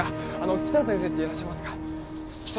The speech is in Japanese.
北先生っていらっしゃいますか？